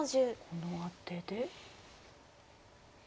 このアテで。